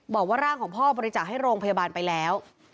บอกว่าร่างของพ่อบริจาคให้โรงพยาบาลไปแล้ว